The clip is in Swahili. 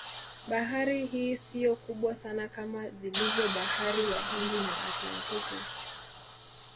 Bahari hii siyo kubwa sana kama zilivyo Bahari ya hindi na Atlantiki